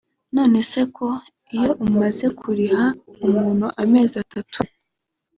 none se ko iyo umaze kuriha umuntu amezi atatu